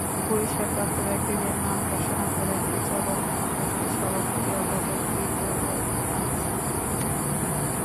পুরস্কারপ্রাপ্ত ব্যক্তিদের নাম ঘোষণা করেন বিচারকমণ্ডলীর সভাপতি অধ্যাপক জিল্লুর রহমান সিদ্দিকী।